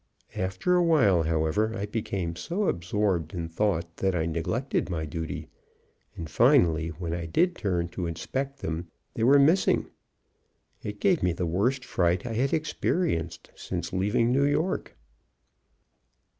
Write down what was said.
After a while, however, I became so absorbed in thought that I neglected my duty, and, finally, when I did turn to inspect them they were missing. It gave me the worst fright I had experienced since leaving New York.